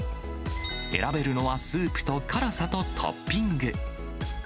選べるのはスープと辛さとトッピング。